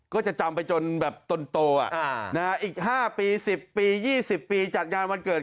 ก็จะจำไปจนแบบตนโตอีก๕ปี๑๐ปี๒๐ปีจัดงานวันเกิด